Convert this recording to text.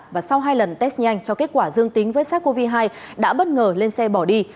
và sau hai lần test nhanh cho kết quả dương tính với sars cov hai đã bất ngờ lên xe bỏ đi